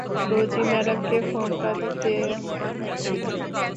রোজি ম্যাডামকে ফোনটা দিতে দিন।